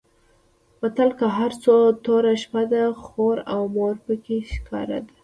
متل؛ که هر څو توره شپه ده؛ خور او مور په کې ښکاره ده.